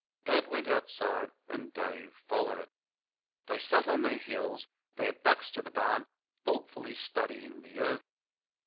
Dad went outside and Dave followed. They sat on their heels, their backs to the barn, thoughtfully studying the earth.